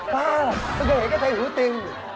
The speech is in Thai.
บ้าล่ะตอนนี้เห็นกะเทหูติง